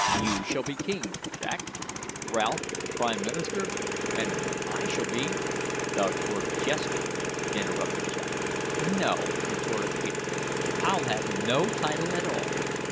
You shall be king, Jack; Ralph, prime minister; and I shall be " "The court jester," interrupted Jack. "No," retorted Peterkin; "I'll have no title at all.